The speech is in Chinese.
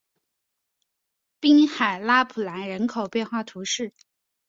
滨海拉普兰人口变化图示